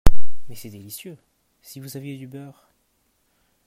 Mais c’est délicieux, si vous aviez du beurre?